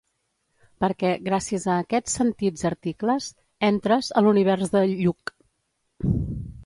Perquè, gràcies a aquests sentits articles "entres" a l'univers de "Lluch".